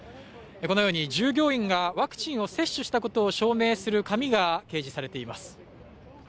このように従業員がワクチンを接種したことを証明する紙が掲示されています